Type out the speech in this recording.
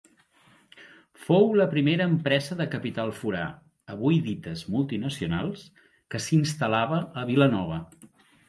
Fou la primera empresa de capital forà, avui dites multinacionals, que s'instal·lava a Vilanova.